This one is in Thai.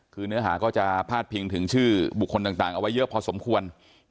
คือเนื้อหาก็จะพาดพิงถึงชื่อบุคคลต่างเอาไว้เยอะพอสมควร